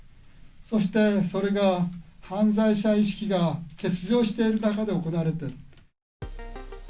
そして、それが犯罪者意識が欠如している中で行われている。